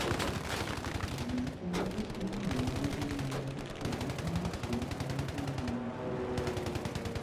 Аднак яна зусім не мела замеру раскрываць яму ўсе свае таямніцы.